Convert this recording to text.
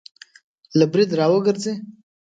له برید را وګرځي